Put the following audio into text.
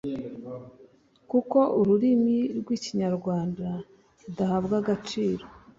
kuki ururimi rw'ikinyarwanda rudahabwa agaciro